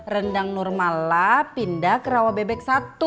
rendang nur mala pindah ke rawa bebek satu